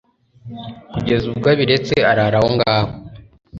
kugeza ubwo abiretse, arara aho ngaho